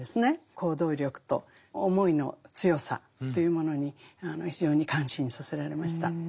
行動力と思いの強さというものに非常に感心させられました。